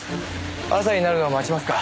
朝になるのを待ちますか。